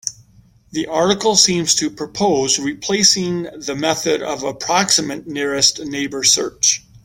The article seems to propose replacing the method of approximate nearest neighbor search.